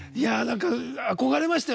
憧れましたよ。